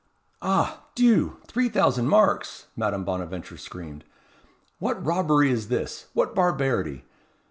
"Ah! Dieu! three thousand marks!" Madame Bonaventure screamed. "What robbery is this! what barbarity!